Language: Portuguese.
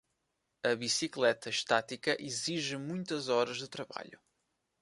A bicicleta estática exige muitas horas de trabalho.